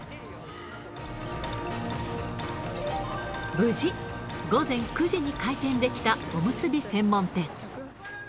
無事、午前９時に開店できたおむすび専門店。